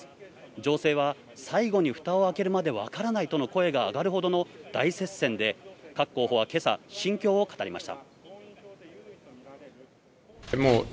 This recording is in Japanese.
情勢は最後に蓋を開けるまでわからないとの声があがるほどの大接戦で各候補は今朝、心境を語りました。